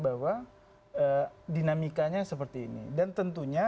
bahwa dinamikanya seperti ini dan tentunya